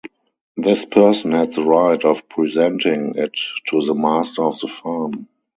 This person had the right of presenting it to the master of the farm.